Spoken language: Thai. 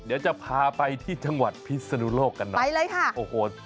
เดี๋ยวจะพาไปที่จังหวัดพิศนุโลกกันหน่อยไปเลยค่ะโอ้โห